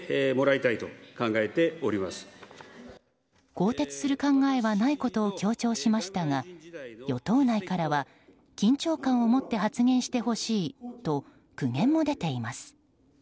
更迭する考えはないことを強調しましたが与党内からは緊張感をもって発言してほしいと苦言も出ています。